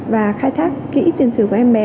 và khai thác kỹ tiền sử của em bé